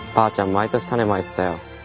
毎年種まいてたよ。